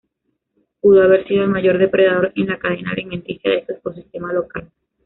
Pudo haber sido el mayor depredador en la cadena alimenticia de su ecosistema local.